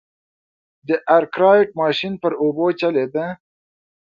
د ارکرایټ ماشین پر اوبو چلېده.